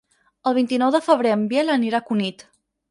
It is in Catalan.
El vint-i-nou de febrer en Biel anirà a Cunit.